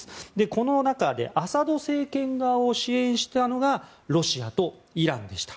この中でアサド政権側を支援したのがロシアとイランでした。